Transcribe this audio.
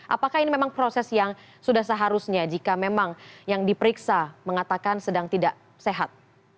apakah ini memang proses yang sudah seharusnya jika memang yang diperiksa mengatakan sedang tidak sehat